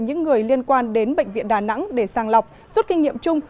những người liên quan đến bệnh viện đà nẵng để sàng lọc rút kinh nghiệm chung